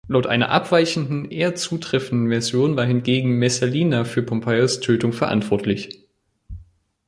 Laut einer abweichenden, eher zutreffenden Version war hingegen Messalina für Pompeius’ Tötung verantwortlich.